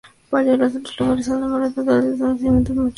En otros lugares, el número total de nacimientos fue mucho menor.